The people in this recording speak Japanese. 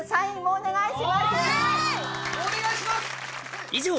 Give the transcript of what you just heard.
お願いします！